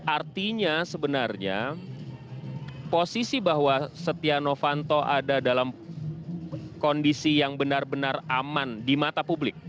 artinya sebenarnya posisi bahwa setia novanto ada dalam kondisi yang benar benar aman di mata publik